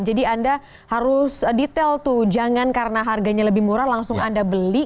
jadi anda harus detail tuh jangan karena harganya lebih murah langsung anda beli